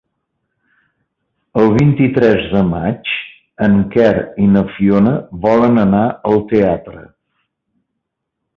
El vint-i-tres de maig en Quer i na Fiona volen anar al teatre.